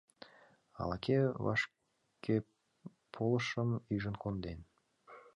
— Ала-кӧ вашкеполышым ӱжын конден.